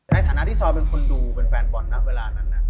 ในฐานะที่ซอยเป็นคนดูเป็นแฟนบอลนะเวลานั้น